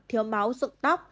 thiếu máu rụng tóc